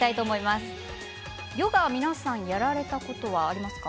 ヨガは皆さんやられたことはありますか？